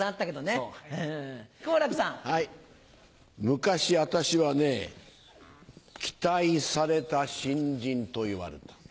昔私はね期待された新人といわれた。